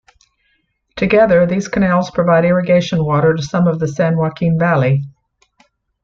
Together, these canals provide irrigation water to some of the San Joaquin Valley.